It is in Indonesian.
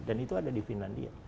dan itu ada di finlandia